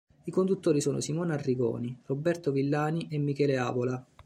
I conduttori sono Simona Arrigoni, Roberto Villani e Michele Avola.